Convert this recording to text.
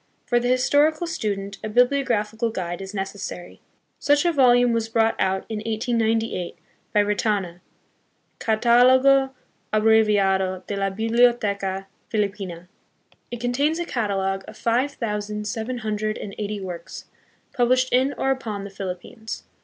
For the historical student a biblio graphical guide is necessary. Such a volume was brought out hi 1898, by Retana, Catdlogo abreviado de la Biblioteca 22 THE PHILIPPINES. Filipino,. It contains a catalogue of five thousand seven hundred and eighty works, published in or upon the Philippines.